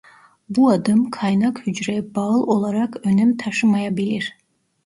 Bu adım kaynak hücreye bağıl olarak önem taşımayabilir.